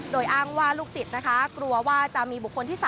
โดยอ้างว่าลูกศิษย์นะคะกลัวว่าจะมีบุคคลที่๓